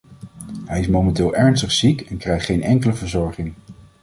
Hij is momenteel ernstig ziek en krijgt geen enkele verzorging.